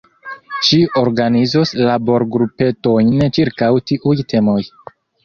Ŝi organizos laborgrupetojn ĉirkaŭ tiuj temoj.